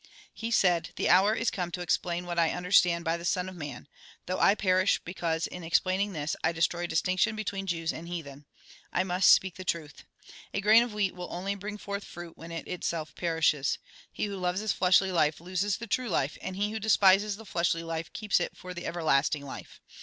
He said :" The hour is come to expiain what I understand by the Son of ]\Ian, though I perish because, in explaining this, I destroy distinction between Jews and heathen. I must speak the truth. A grain of wheat will only bring forth fruit when it itself perishes. He who loves his fleshly life loses the true life, and he who despises the fleshly life keeps it for the everlasting life.